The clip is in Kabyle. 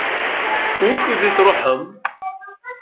Wukud i tṛuḥem?